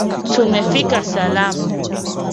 Tumefika salama